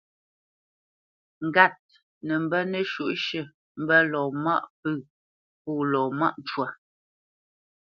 Ŋgât nə mbə́ nəshǔʼshʉ̂ mbə́ lɔ maʼ pə̂ pô lɔ mâʼ cwa.